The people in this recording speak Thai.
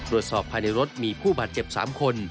ตรวจสอบภายในรถมีผู้บาดเจ็บ๓คน